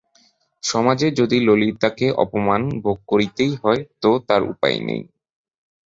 সমাজে যদি ললিতাকে অপমান ভোগ করতেই হয় তো তার উপায় নেই।